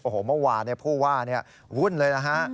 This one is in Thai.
โอ้โหเมื่อวานผู้ว่าวุ่นเลยนะฮะ